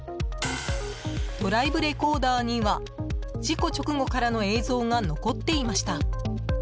ドライブレコーダーには事故直後からの映像が残っていました。